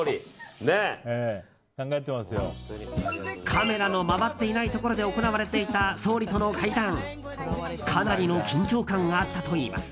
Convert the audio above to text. カメラの回っていないところで行われていた総理との会談かなりの緊張感があったといいます。